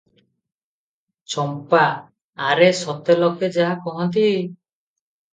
ଚମ୍ପା - ଆରେ, ସତେ ଲୋକେ ଯାହା କହନ୍ତି